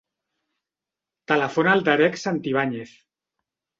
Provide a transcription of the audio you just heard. Telefona al Darek Santibañez.